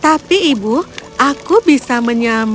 tapi ibu aku bisa menyamar sebagai